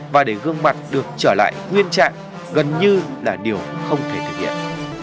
và để gương mặt được trở lại nguyên trạng gần như là điều không thể thực hiện